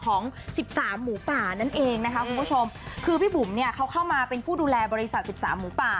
ของสิบสามหมูป่านั่นเองนะคะคุณผู้ชมคือพี่บุ๋มเนี่ยเขาเข้ามาเป็นผู้ดูแลบริษัทสิบสามหมูป่า